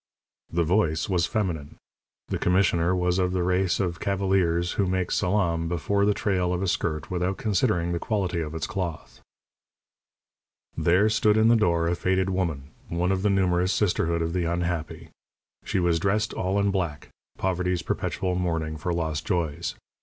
The voice was feminine; the commissioner was of the race of cavaliers who make salaam before the trail of a skirt without considering the quality of its cloth. There stood in the door a faded woman, one of the numerous sisterhood of the unhappy. She was dressed all in black poverty's perpetual mourning for lost joys.